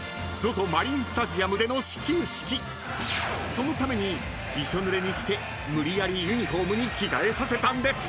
［そのためにびしょぬれにして無理やりユニホームに着替えさせたんです］